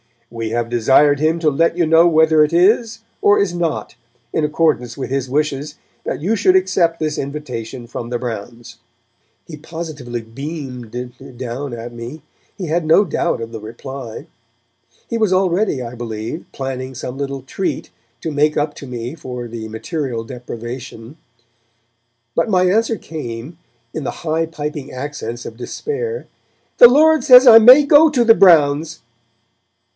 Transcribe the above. We have desired Him to let you know whether it is, or is not, in accordance with His wishes that you should accept this invitation from the Browns.' He positively beamed down at me; he had no doubt of the reply. He was already, I believe, planning some little treat to make up to me for the material deprivation. But my answer came, in the high piping accents of despair: 'The Lord says I may go to the Browns.'